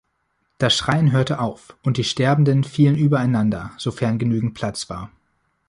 Das Schreien hörte auf und die Sterbenden fielen übereinander, sofern genügend Platz war.